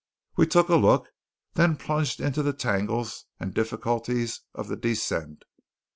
We took a look, then plunged into the tangles and difficulties of the descent.